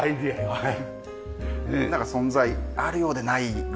はい。